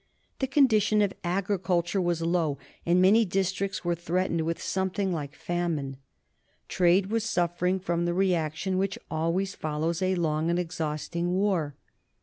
The condition of agriculture was low, and many districts were threatened with something like famine. Trade was suffering from the reaction which always follows a long and exhausting war.